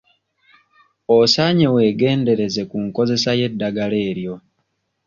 Osaanye weegendereze ku nkozesa y'eddagala eryo.